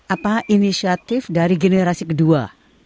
apa inisiatif dari generasi kedua